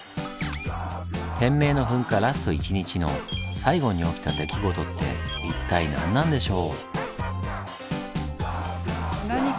天明の噴火ラスト１日の最後に起きた出来事って一体何なんでしょう？